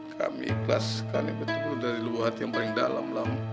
kami ikhlas sekali betul dari lu hati yang paling dalam lam